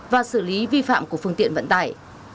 và xử lý vi phạm của phương tiện vận tải